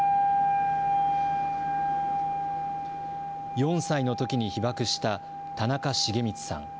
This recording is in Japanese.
４歳のときに被爆した田中重光さん。